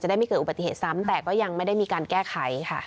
ได้ไม่เกิดอุบัติเหตุซ้ำแต่ก็ยังไม่ได้มีการแก้ไขค่ะ